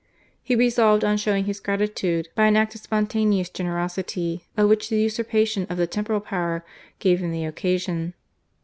He resolved on showing his gratitude by an act of spontaneous generosity, of which the usurpation of the temporal power gave him the occasion.